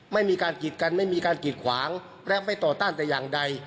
ไม่มีการกีดกันไม่มีการกีดขวางและไม่ต่อต้านแต่อย่างใด